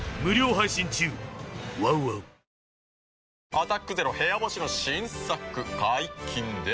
「アタックＺＥＲＯ部屋干し」の新作解禁です。